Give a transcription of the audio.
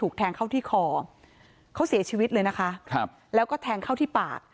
แทงเข้าที่คอเขาเสียชีวิตเลยนะคะครับแล้วก็แทงเข้าที่ปาก